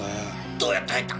どうやって入った？